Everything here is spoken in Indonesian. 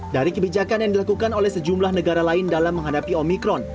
dari kebijakan yang dilakukan oleh sejumlah negara lain dalam menghadapi omikron